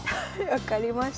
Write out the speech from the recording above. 分かりました。